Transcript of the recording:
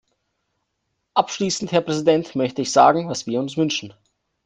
Abschließend, Herr Präsident, möchte ich sagen, was wir uns wünschen.